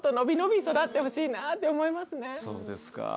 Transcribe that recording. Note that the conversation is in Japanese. そうですか。